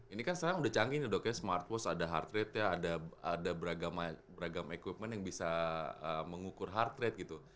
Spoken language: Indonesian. ini kan sekarang udah canggih nih dok ya smartwas ada heart rate ya ada beragam equipment yang bisa mengukur heart rate gitu